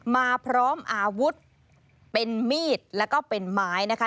มาพร้อมอาวุธเป็นมีดแล้วก็เป็นไม้นะคะ